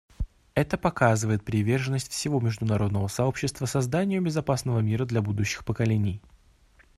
Это показывает приверженность всего международного сообщества созданию безопасного мира для будущих поколений.